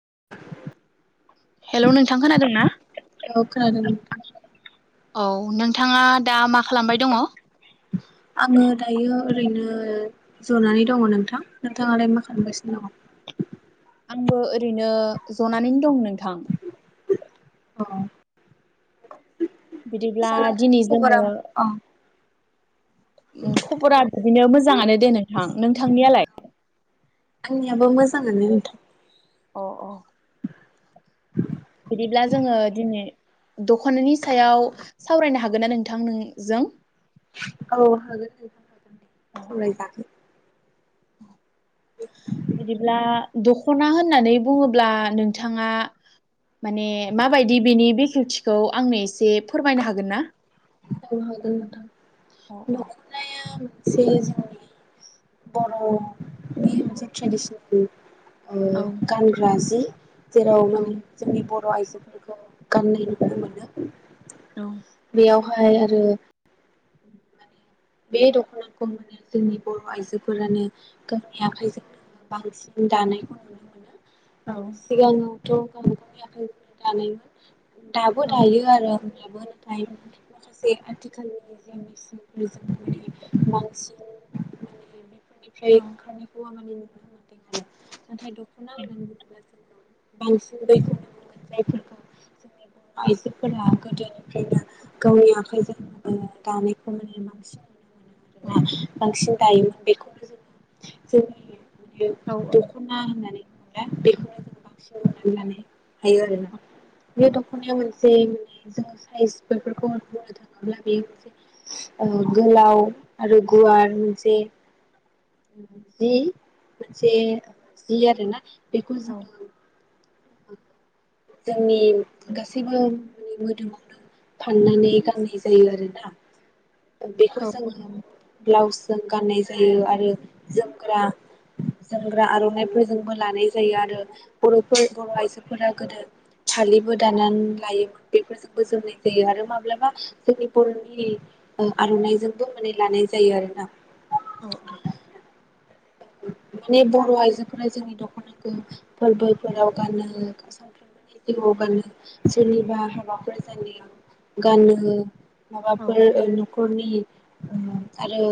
[inaudible] हेल' नोंथां खोनादों ना? औ खोनादों नोंथां औ नोंथाङा दा मा खालामबाय दङ? आङो दायो ओरैनो जनानै दङ नोंथां नोंथाङालाय मा खालामगासिनो दङ आंबो ओरैनो जनानैनो दं नोंथां अ बिदिब्ला नोंथांनि दिनै जोङो खबरा अ उम खबरा बिदिनो मोजाङानो दे नोंथां नोंथांनियालाय आंनियाबो मोजाङानो नोंथां अ औ बिदिब्ला जोङो दिनै दख'नानि सायाव सावरायनो हागोन ना नोंथां नोंजों औ हागोनागोन दे सावराय जागोन [unintelligible] बिदिब्ला दख'ना होन होननानै बुङोब्ला नोंथाङा माने माबायदि बेनि बेखेवथिखौ आंनो एसे फोरमायनो हागोन ना? औ हागोन औ औ नोंथां दख'नाया बेयो जोंनि बर'नि मोनसे ट्रेडिसनेल ओ औ गानग्रा जि जेराव औ माने जोंनि बर' बर' आइजोफोरखौ गाननाय नुुनो मोनो । औ । बेहाय आरो माने बे दख'नाखौ माने जोंनि बर' आइजोफोरानो गावनि आखाइजोंनो बांसिन दानायखौ नुनो मोनो । औ सिगाङो [unintelligible] दाबो औ दायो आरो होमब्लाबो ओमफ्राय माखासे [unintelligible] [unintelligible] निफ्राय औ ओंखारनायखौ [unintelligible] नाथाय दखना औ होनानै बुङोब्ला जोङो [unintelligible] [inaudible] बांसिन दायोमोन बेखौनो औ जोङो जोंनि औ दखना होननानै [unintelligible] हायो आरोना औ औ बे दखनाययाव मोन [unintelligible] ओ गोलाउ आरो गुवार मोनसे जि मोनसे जि आरो ना बेखौ औ जोङो जोंनि गासैबो [unintelligible] मोदोमावनो फाननानै गाननाय जायो आरोना । बेखौ औ जोंङो ब्लाउसजों गाननाय जायो आरो जोमग्रा जोमग्रा आरनाइफोरजोंबो लानाय जायो आरो बर 'फोर बर' आइजोफोरा गोदो फालिबो दानानै लायोमोन बेफोरजोंबो जोमनाय जायो आरो माब्लाबा जोंनि बर'नि ओ आरनाइजोंबो माने लानाय जायो आरो ना औ । माने बर आइजोफोरा जोंनि दखनाखौ फोरबोफोराव गानो [unintelligible] जेनेबा माबाफोर जानायाव गानो‌। माबाफोर ओ नखरनि ओ आरो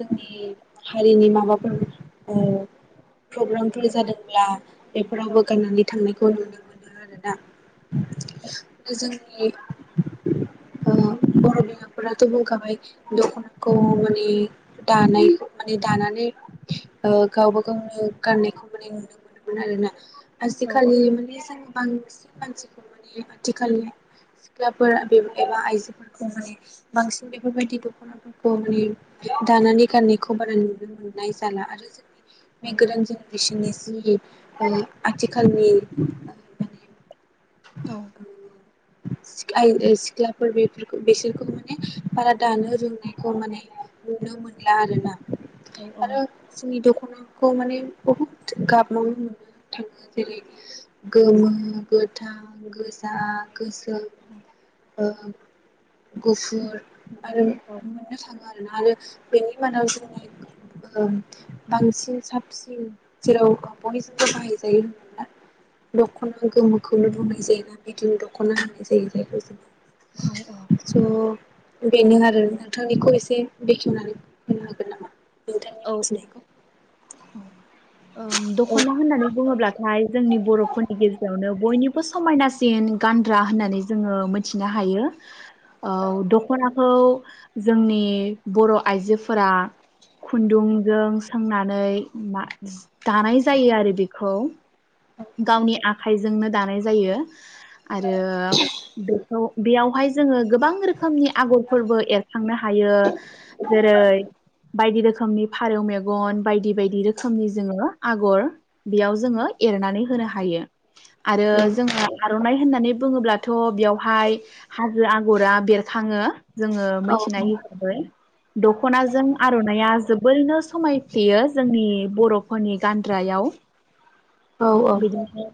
जोंनि हारिनि माबाफोर ओ प्रग्रामफोर जादोंब्ला बेफोरावबो गाननानै थांनायखौ नुनो मोनो आरो। [unintelligible] गोजोन नै ओ बर' बिमाफोराथ' बुंखाबाय दखनाखौ माने दानायखौ माने दानानै ओ गावबा गावनो गाननायखौबो माने नुनो मोनोमोन आरोना। आजिखालि माने जों बांसि मानसिखौ माने आथिखालनि सिख्लाफोर एबा आइजोफोरखौ माने बांसिन बेफोरबायदि दखनाफोरखौ माने दानानै गाननायखौ बारा नुनो मोननाय जाला आरो जों बे गोदान जेनेरेसननि जि आथिखालनि माने औ सिख्ला सिख्लाफोर बेफोरखौ बेसोरखौ माने बारा दानो रोंनायखौ माने नुनो मोनला आरोना। आरो जोंनि दख'ना खौ माने बहुद गाबावनो मोननो थाङो जेरै गोमो गोथां गोजा गोसो [inaudible] गुफुर आरो मोननो थां आरोना आरो बेनि मादाव जोंनि ओ बांसिन साबसिन जेराव बयजोंबो बाहायजायो होनना दख'ना गोमोखौनो बुंनाय जायोना बिदिनो द ख'ना होन्नाय जायो जायखौ स' बेनो आरो नोंथांनिखौ एसे बेखेवनानै होनो हागोन नामा? नोंथांनि औ मिथिनायखौ। ओं दख'ना औ होननानै बुङोब्लाथाय जोंनि बर'फोरनि गेजेरावनो बयनिबो समायनासिन गानग्रा होननानै जोङो मोनथिनो हायो। औ द'खना खौ जोंनि बर' आइजोफोरा खुन्दुंजों सोंनानै मा दानाय जायो आरो बेखौ गावनि आखाइजोंनो दानाय जायो आरो बेखौ बेयावहाय जोङो गोबां रोखोमनि आगरफोरबो एरखांनो हायो जेरै बायदि रोखोमनि फारौ मेगन बायदि बायदि रोखोमनि जोङो आगर बेयाव जोङो एरनानै होनो हायो। आरो औ जोङो आ र'नाय होननानै बुङोब्लाथ' बेयावहाय हाजो आगरा बेरखाङो। जोङो मिथिनाय हिसाबै दख'नाजों आर'नायइया जोबोरैनो समायफ्लेयो जोंनि बर'फोरनि गानग्रायाव औ औ बिदिनो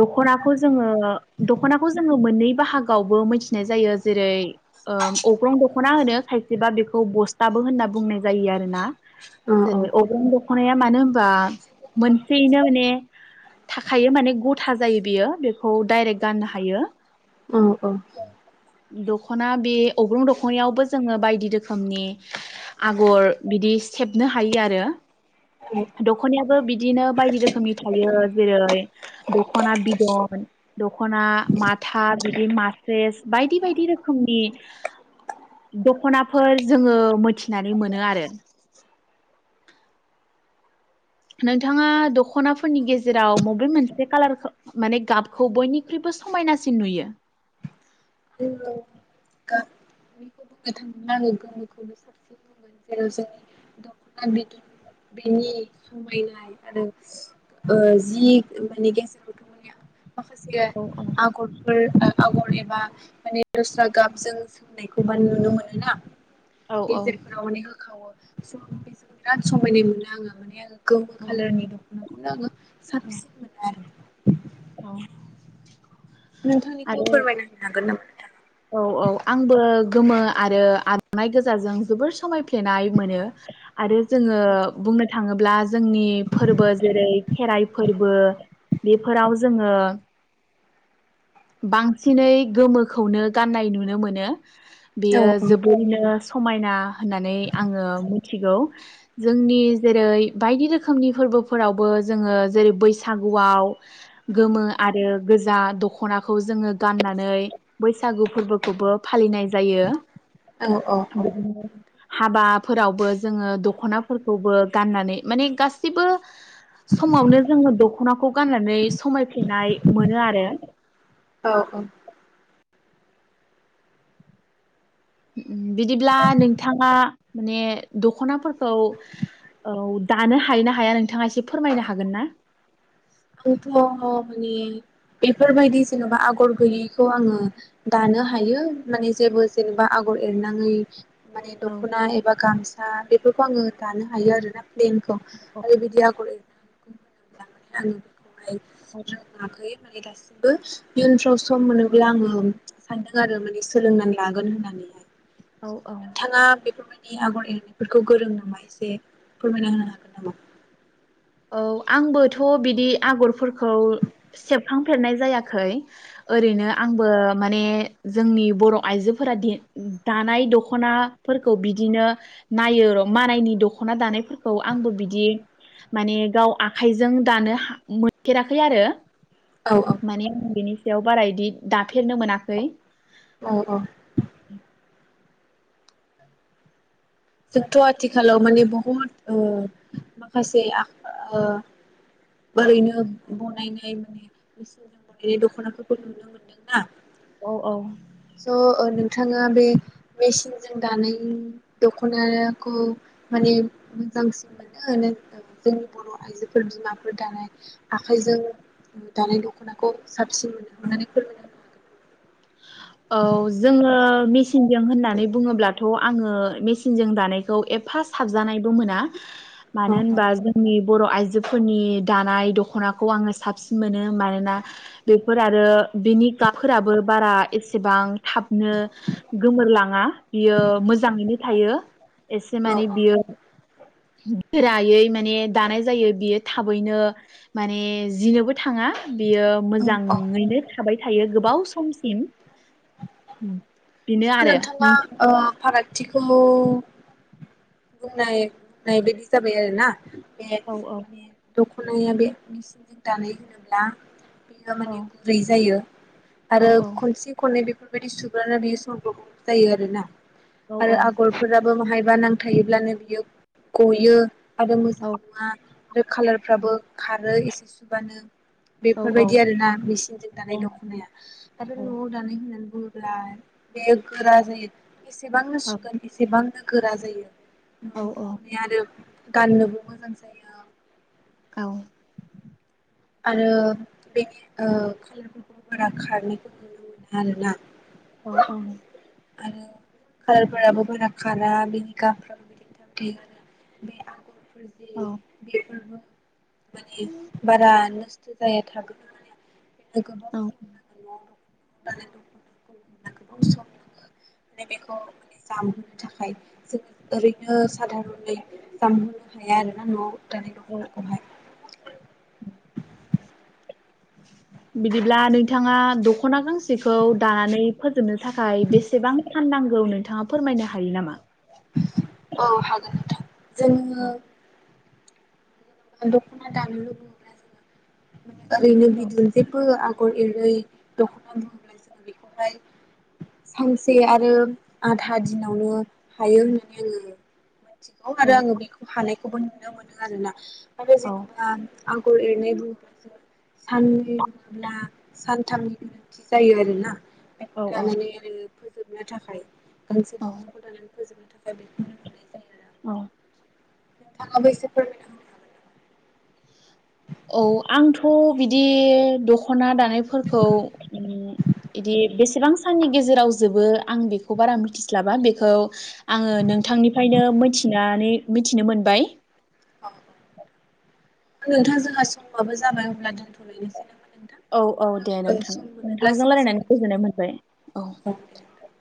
दख'नाखौ जोङो दख'नाखौ जोङो मोननै बाहागोआवबो मिथिनाय जायो जेरै ओ अग्रं दखना होनो खायसेबा बेखौ बस दाबो होनना बुंनाय जायो आरो ना जोङो जेरै अग्रं दखना दख'नाया मानो होनबा मोनसेयैनो माने थाखायो माने गथा जायो बियो बेखौ डाइरेक्ट गाननो हायो। औ औ दख'ना बे अग्रुं दखनायावबो जोङो बायदि रोखोमनि आगर बिदि सेबनो हायो आरो दख'नायाबो बिदिनो बायदि रोखोमनि थायो। जेरै दख'ना बिदन दख'ना माथा बिदि मासेस बायदि बायदि रोखोमनि दख'नाफोर जोङो मिथिनानै मोनो आरो नोंथाङा दख'नाफोरनि गेजेराव मबे मोनसे कालारखौ माने गाबखौ बयनिख्रुइबो समायनासिन नुयो। औ बुंनो थाङोब्ला आङो गावनिखौनो साबसिन बुंगोन जेराव जोंनि दख'ना बिदर बेनि समायनाय आरो जि मानि गेजेरावथ' माने माखासे औ आगरफोर आगर ए बा माने दस्रा गाबजों सोंनाय गोबान नुनो मोनोना औ औ गेजेरफोराव माने होखावो स' बेजों बिराद समायनाय मोनो आङो माने गोमो औ खालारनि [inaudible] साबसिन मोनो आरो नोंथांनिखौबो आरो फोरमायना होनो हागोन नामा? नोंथाङा? औ औ आंबो गोमो आरो आर'नाइ गोजाजों जोबोर समाय फ्लेनाय मोनो आरो जोङो औ बुंनो थाङो ब्ला जोंनि फोरबो जेरै खेराइ फोरबो बेफोराव जोङो बांसिनै गोमोखौनो गाननाय नुनो मोनो। औ बेयो जोबोरैनो समायना होननानै आङो मिथिगौ जोंनि जेरै बायदि रोखोमनि फोरबोफोरावबो जोङो जेरै बैसागुआव गोमो आरो गोजा दख'नाखौ जोङो गाननानै बैसागु फोरबोखौबो फालिनाय जायो। औ औ औ बिदिनो हाबाफोरावबो जोङो दख'नाफोरखौबो गाननानै माने गासिबो समावनो जोङो दख'नाखौ गाननानै समायफ्लेनाय मोनो आरो औ बिदिब्ला नोंथाङा माने दख'नाफोरखौ औ दानो हायो ना हाया नोंथाङा एसे फोरमायनो हागोन ना? आंथ' माने बेफोरबायदि जेन'बा आगर गैयैखौ आङो दानो हायो माने जेबो जेनेबा आगर एरनां ङि माने औ दख'ना एबा गामसा बे फोरखौ आङो दानो हायो आरोना फ्लेनखौ औ आरो बिदि आगर एर [inaudible] [inaudible] रोंआखै माने दासिबो इयुनफ्राव सम मोनोब्ला आङो सानदों आरो माने सोलोंनानै लागोन होननानैहाय। औ औ नोंथाङा बेफोरबायदि नि आगर एरनायफोरखौ गोरों नामा एसे फोरमायना होनो हागोन नामा? औ आंबोथ' बिदि आगरफोरखौ सेबखांफेरनाय जायाखै ओरैनो आंबो माने जोंनि बर' आइजोफोरा दे दानाय दख'नाफोरखौ बिदिनो नायो र' मानायनि दख'ना दानायफोरखौ आंबो बिदि माने गाव आखाइजों दानो हा मोनफेराखै आरो औ माने आं बेनि सायाव बारा इदि दाफेरनो मोनाखै। औ औ। जोंथ' आथिखालाव माने बहुद ओ माखासे ओ ओरैनो बनायनाय माने मेचिनजों बानायनाय दख'नाफोरखौ नुनो मोनदोंना स' ओ नोंथां ओ बे मेसिनजों दानायनि दख'नाखौ माने मोजांसिन मोनो ना जोंनि बर' आइजोफोर बिमाफोर दानाय आखाइजों दानाय दख'नाखौ साबसिन मोनो अननानै फोरमायना औ जोङो मिचिनजों होननानै बुङोब्लाथ' आङो मेसिनजों दानायखौ एफा साबजानायबो मोना। मानो होनबा हागोन जोंनि बर' आइजोफोरनि दानाय दख'नाखौ आङो साबसिन मोनो मानोना बेफोर आरो बेनि गाबफोराबो बारा एसेबां थाबनो गोमोरलाङा बियो मोजाङैनो थायो। एसे औ माने बियो गोरायै माने दानाय जायो बियो थाबैनो माने जिनोबो थाङा। बियो औ औ मोजाङैनो थाबाय थायो गोबाव सम स' आरो नोंथाङा नोंथां ओ फाराग थिखौ बुंनाय बुंनाय बायदि जाबाय आरो ना। बे औ औ माने दख' दख'नाया बे मेसिनजों दानाय होनोब्ला बेयो औ माने गुरै जायो। औ आरो खनसे खननै बेफोर बेदि [unintelligible] जायो आरोना। औ आरो औ आगरफोराबो बाहाय बा नांथायोब्लानो बियो गयो। आरो मोजां औ नङा आरो कालारफ्राबो खारो एसे सुबानो औ औ बेफोरबायदि आरोना मेचिनजों दानाय दख'नाया आरो न'आव दानाय होननानै बुंङोब्ला बे गोरा जायो। एसेबां नो सुगोन एसेबांनो गोरा जायो। औ न'नि औ दख'नाया आरो गाननोबो मोजां जायो। औ। आरो बे ओ कालारफोरखौ बारा खारनायखौ नुनो मोना आरोना। औ औ आरो कालारफोराबो बारा खारा बेनि गाबफ्राबो [unintelligible] आरो बे आगर। जि औ बेफोरबो मानि बारा नस्थ जाया थागोन माने [unintelligible] [unintelligible] दानि औ दख'नाखौहाय [inaudible] बिदिब्ला नोंथाङा दख'ना गांसेखौ दानानै फोजोबनो थाखाय बेसेबां सान नांगौ नोंथाङा फोरमायनो हायो नामा? औ हागोन नोंथां। औ जोंङो दख'ना [unintelligible] ओरैनो औ बिदिनो जेबो आं आगर एरै दख'ना बुङोब्ला जोङो बेखौहाय सानसे आरो आधा दिनावनो हायो होननानै आङो थिगौ औ आरो आङो बेखौ हानाय खौबो नुनो मोनो आरोना। आरो औ जेनेबा आगर एरनाय बुङोब्लासो साननै नङाब्ला सानथामनि गोनांथि जायो आरोना। बेखौ औ थानानै आरो फोजोबनो थाखाय गांसे औ दखांखौ लानानै फोजोबनो थाखाय बेखौनो मोननाय जायो आरो आं। औ नोंथांआबो एसे फोरमाइना होनो हागोन नामा? औ आंथ' बिदि दखना दानायफोरखौ बिदि बेसेबां साननि गेजेराव जोबो आं बेखौ बारा मिथिस्लाबा बेखौ आङो नोंथांनिफ्रायनो मिथिनानै मिथिनो मोनबाय। आं आं नोंथां जोंहा समबाबो जाबाय होनब्ला दोनथलायनोसै नामा‌? औ-औ दे नोंथां नोंथांजों जोङो रायलायनानै गोजोननाय सावरायफिनगोन मोनबाय दे नोंथां। औ।